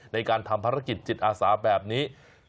ในการทำภารกิจจิตอาสาแบบนี้